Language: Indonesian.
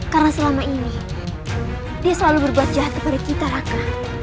karena selama ini dia selalu berbuat jahat kepada kita raka